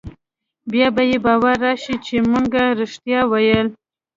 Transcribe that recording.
بيا به يې باور رايشي چې مونګه رښتيا ويل.